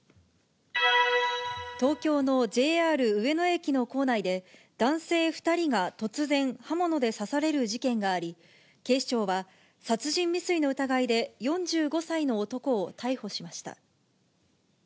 東京のＪＲ上野駅の構内で、男性２人が突然、刃物で刺される事件があり、警視庁は殺人未遂の疑いで、４５歳の男を逮捕しました。